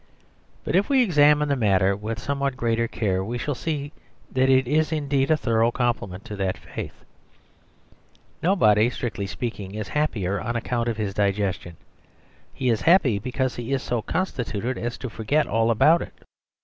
But if we examine the matter with somewhat greater care we shall see that it is indeed a thorough compliment to that faith. Nobody, strictly speaking, is happier on account of his digestion. He is happy because he is so constituted as to forget all about it.